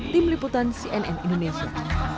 tim liputan cnn indonesia